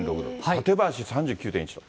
館林３９．１度。